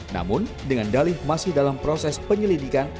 namun dengan dalih masih dalam proses penyelidikan